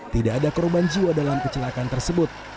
tidak ada korban jiwa dalam kecelakaan tersebut